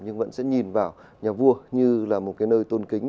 nhưng vẫn sẽ nhìn vào nhà vua như là một cái nơi tôn kính